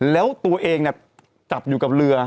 แล้วตัวเองเนี่ยจับอยู่กับเรือ